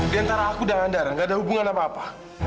diantara aku dan andara gak ada hubungan apa apa